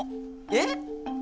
えっ？